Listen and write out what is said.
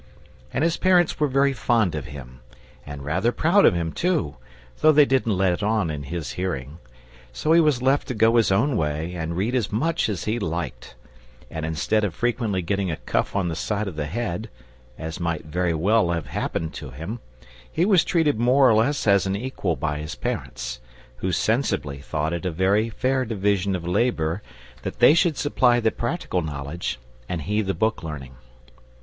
And his parents were very fond of him, and rather proud of him too, though they didn't let on in his hearing, so he was left to go his own way and read as much as he liked; and instead of frequently getting a cuff on the side of the head, as might very well have happened to him, he was treated more or less as an equal by his parents, who sensibly thought it a very fair division of labour that they should supply the practical knowledge, and he the book learning.